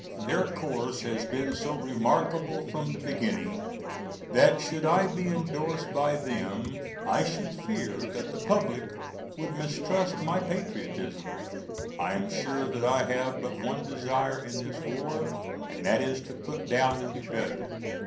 Their course has been so remarkable from the beginning that should I be endorsed by them I should fear that the public would mistrust my patriotism. I am sure that I have but one desire in this war, and that is to put down the rebellion.